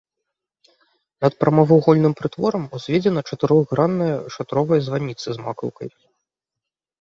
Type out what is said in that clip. Над прамавугольным прытворам узведзена чатырохгранная шатровая званіца з макаўкай.